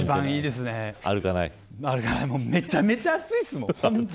めちゃめちゃ暑いですもん。